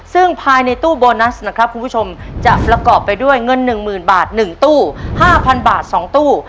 ซึ่งภายในตู้โบนัสนะครับคุณผู้ชมจะประกอบไปด้วยเงิน๑๐๐๐บาท๑ตู้๕๐๐บาท๒ตู้